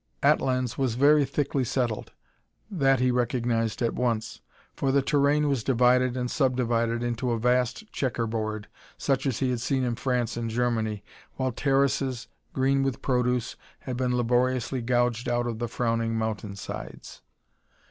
Atlans was very thickly settled that he recognized at once for the terrain was divided and sub divided into a vast checker board, such as he had seen in France and Germany, while terraces, green with produce, had been laboriously gouged out of the frowning mountain sides.